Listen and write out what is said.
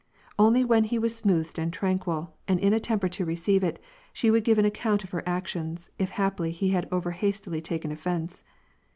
Only when he was smoothed and tranquil, and in a temper to receive it, she would give an account of her actions, if haply he had over hastily taken offence.